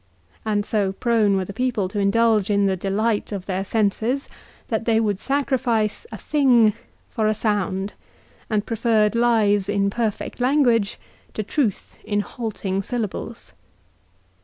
And so prone were the people to indulge in the delight of their senses that they would sacrifice a thing for a sound, and preferred lies in perfect language to truth in halting syllables.